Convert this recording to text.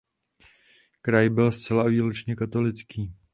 Kraj byl zcela a výlučně katolický.